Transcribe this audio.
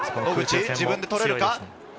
自分で取れるか？